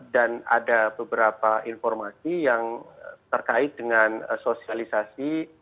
dan ada beberapa informasi yang terkait dengan sosialisasi